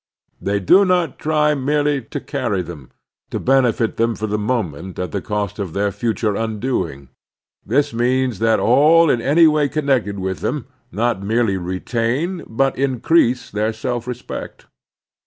They do not try merely to carry them, to benefit them for the moment at the cost of their future tmdoing. This means that all in any way^ connected with them not merely retain but in crease their self respect.